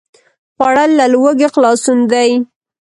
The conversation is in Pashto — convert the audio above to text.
خوړل له لوږې خلاصون دی